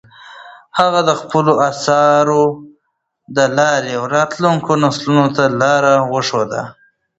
هغه د خپلو اثارو له لارې راتلونکو نسلونو ته لار وښوده.